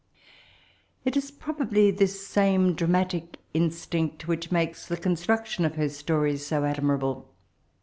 It is probably this same dramatic instinct which makes the construc tion of her stories so admirable.